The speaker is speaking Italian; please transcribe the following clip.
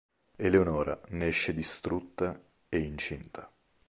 Eleonora ne esce distrutta e incinta.